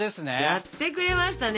やってくれましたね。